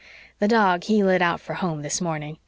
The dog, he lit out for home this morning.